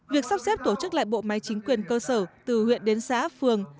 việc sắp xếp tổ chức lại bộ máy chính quyền cơ sở từ huyện đến xã phường